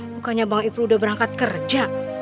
bukannya bang ibru udah berangkat kerja